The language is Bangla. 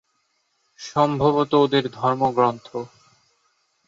সম্ভবত ওদের ধর্মগ্রন্থ।